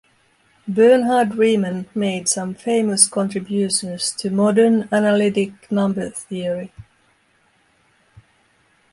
Bernhard Riemann made some famous contributions to modern analytic number theory.